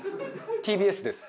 ＴＢＳです。